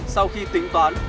sau khi tính toán